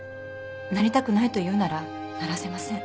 なりたくないと言うならならせません。